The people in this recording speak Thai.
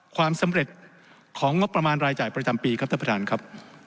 ความสำเร็จของงบประมาณรายจ่ายประจำปีครับท่านประธานครับ